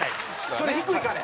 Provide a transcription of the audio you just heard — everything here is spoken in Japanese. それ低いからや。